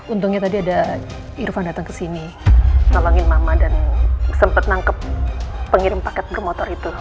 untungnya tadi ada irfan datang ke sini nolongin mama dan sempat nangkep pengirim paket bermotor itu